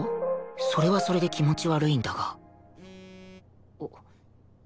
それはそれで気持ち悪いんだがあっ。